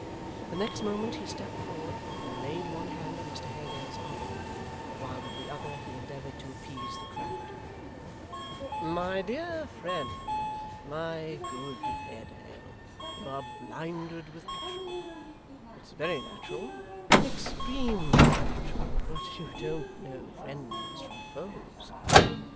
The next moment, he stepped forward, and laid one hand on Mr Haredale's arm, while with the other he endeavoured to appease the crowd. 'My dear friend, my good Haredale, you are blinded with passion it's very natural, extremely natural but you don't know friends from foes.